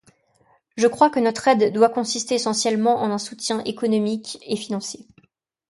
Je crois que notre aide doit consister essentiellement en un soutien économique et financier.